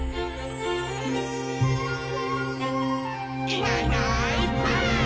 「いないいないばあっ！」